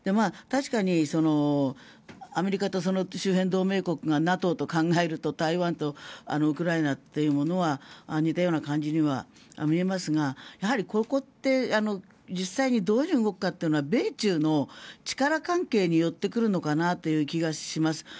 確かにアメリカとその周辺同盟国がＮＡＴＯと考えると台湾とウクライナというものは似たような感じには見えますがやはりここって実際にどういうものかというと米中の力関係によってくるのかなという気がします。